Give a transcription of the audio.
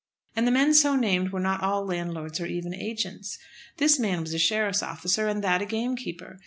And the men so named were not all landlords or even agents. This man was a sheriff's officer, and that a gamekeeper.